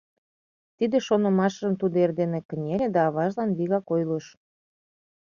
Тиде шонымашыжым тудо эрдене кынеле да аважлан вигак ойлыш.